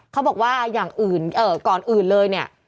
เขาบอกว่าอย่างอื่นก่อนอื่นเลยเนี่ย